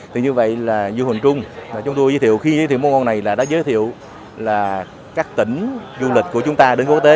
thì như vậy là du hồn trung khi giới thiệu món ngon này đã giới thiệu các tỉnh du lịch của chúng ta đến quốc tế